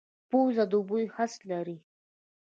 پوزه د بوی حس لري